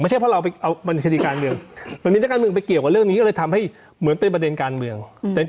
ไม่ใช่เพราะเราเอาบรรชนิการเมือง